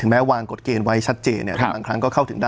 แม้วางกฎเกณฑ์ไว้ชัดเจนเนี่ยแต่บางครั้งก็เข้าถึงได้